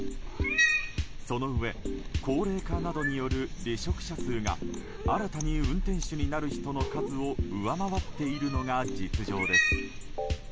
そのうえ高齢化などによる離職者数が新たに運転手になる人の数を上回っているのが実情です。